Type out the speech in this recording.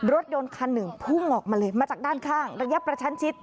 รถยนต์คันหนึ่งพุ่งออกมาเลยมาจากด้านข้างระยะประชันชิด